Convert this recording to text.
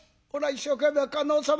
一生懸命観音様